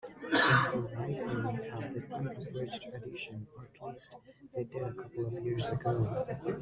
The library have the unabridged edition, or at least they did a couple of years ago.